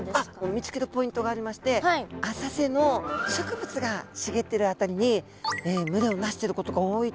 見つけるポイントがありまして浅瀬の植物が茂ってる辺りに群れを成してることが多いっていうことなんですね。